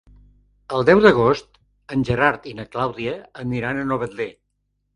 El deu d'agost en Gerard i na Clàudia aniran a Novetlè.